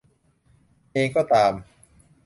เองก็ตาม